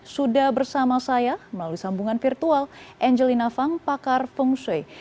sudah bersama saya melalui sambungan virtual angelina fang pakar feng shui